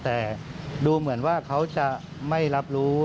แต่ดูเหมือนว่าเขาจะไม่รับรู้